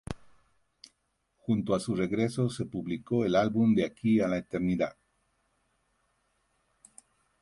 Junto a su regreso se publicó el álbum "De Aquí A la Eternidad".